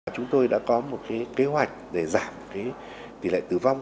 chúng tôi đã có một kế hoạch để giảm tỷ lệ tử vong